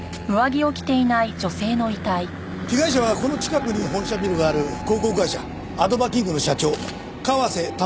被害者はこの近くに本社ビルがある広告会社アドバキングの社長川瀬珠代さん４８歳です。